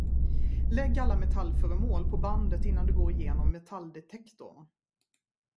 Lägg alla metallföremål på bandet innan du går igenom metalldetektorn.